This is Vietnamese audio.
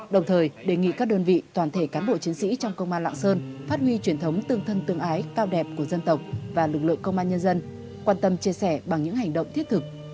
đồng thời đề nghị các đơn vị toàn thể cán bộ chiến sĩ trong công an lạng sơn phát huy truyền thống tương thân tương ái cao đẹp của dân tộc và lực lượng công an nhân dân quan tâm chia sẻ bằng những hành động thiết thực